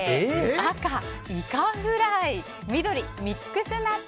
赤、イカフライ緑、ミックスナッツ。